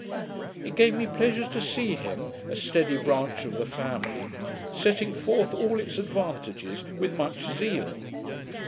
It gave me pleasure to see him, a steady branch of the family, setting forth all its advantages with much zeal.